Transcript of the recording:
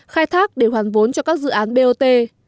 khai thác để hoàn vốn cho các dự án bot